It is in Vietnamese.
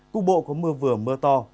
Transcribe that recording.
cục bộ có mưa vừa mưa to